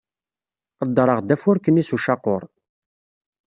Qeddreɣ-d afurk-nni s ucaqur.